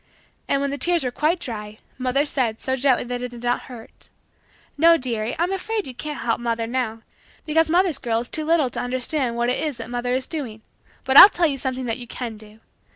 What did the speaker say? And, when the tears were quite dry, mother said, so gently that it did not hurt, "No dearie, I'm afraid you can't help mother now because mother's girl is too little to understand what it is that mother is doing. But I'll tell you something that you can do.